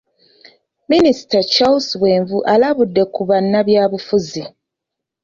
Minisita Charles Bwenvu alabudde ku bannabyabufuzi .